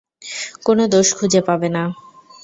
কোন দোষ খুঁজে পাবে না।